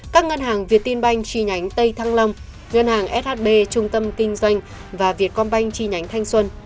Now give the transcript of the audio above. các ngân hàng việt tiên banh tri nhánh tây thăng long ngân hàng shb trung tâm kinh doanh và việt công banh tri nhánh thanh xuân